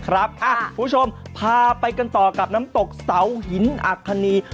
คุณผู้ชมพาไปกันต่อกับน้ำตกเสาหินอัคคณี